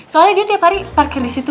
soalnya dia tiap hari parkir disitu